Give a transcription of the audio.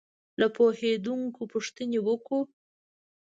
له پوهېدونکو پوښتنې وکړو.